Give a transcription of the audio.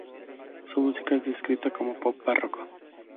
Su música es descrita como pop barroco.